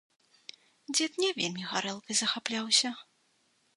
Дзед не вельмі гарэлкай захапляўся.